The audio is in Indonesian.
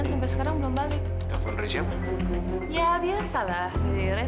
sampai jumpa di video selanjutnya